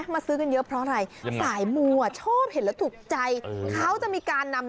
แบบนี้สามแท่งอ่ะ